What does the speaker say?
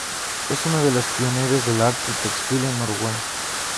Es una de las pioneras del arte textil en Uruguay.